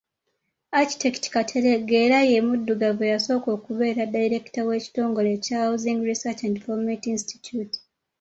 Architect Kateregga era ye muddugavu eyasooka okubeera Ddayirekita w’ekitongole ekya Housing Research & Development Institute.